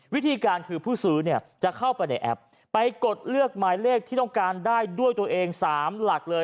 วิธีการคือผู้ซื้อเนี่ยจะเข้าไปในแอปไปกดเลือกหมายเลขที่ต้องการได้ด้วยตัวเอง๓หลักเลย